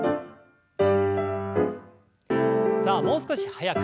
さあもう少し早く。